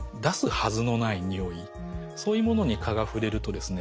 そういうものに蚊が触れるとですね